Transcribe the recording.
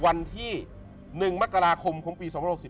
วันที่๑มกราคมของปี๒๖๔